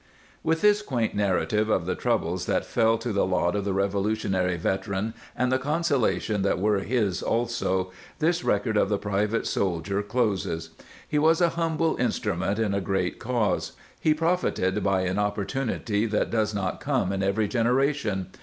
"i > With this quaint narrative of the troubles that fell to the lot of the Revolutionary veteran and the consolations that were his also, this record of the private soldier closes. He was a humble in strument in a great cause ; he profited by an opportunity that does not come in every genera tion.